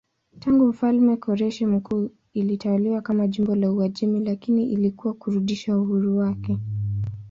Tangu mfalme Koreshi Mkuu ilitawaliwa kama jimbo la Uajemi lakini iliweza kurudisha uhuru wake.